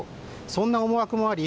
そんな思惑もあり